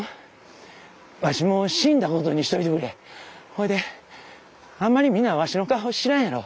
ほんでわしもうあんまりみんなわしの顔知らんやろ。